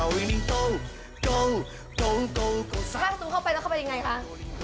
พร่างตูเข้าไปแล้วเข้าไปยังไงคะ